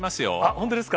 本当ですか。